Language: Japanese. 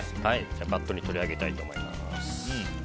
バットに取り上げたいと思います。